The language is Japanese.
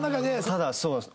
ただそうです。